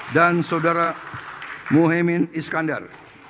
dan saudara muhyemin iskandar